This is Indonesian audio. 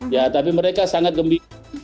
ya tapi mereka sangat gembira